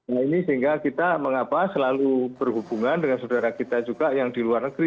nah ini sehingga kita mengapa selalu berhubungan dengan saudara kita juga yang di luar negeri